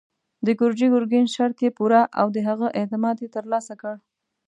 د ګرجي ګرګين شرط يې پوره او د هغه اعتماد يې تر لاسه کړ.